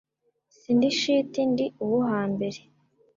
Si ndi shiti ndi uwo hambere,